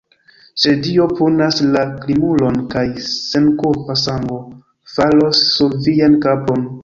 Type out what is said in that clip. sed Dio punas la krimulon, kaj senkulpa sango falos sur vian kapon!